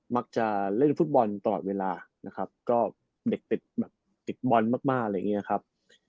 มักจะเล่นฟุตบอลตลอดเวลานะครับก็เด็กติดแบบติดบอลมากมากอะไรอย่างเงี้ยครับ